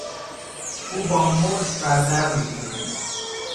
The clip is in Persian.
او با مشت بر در میکوبید.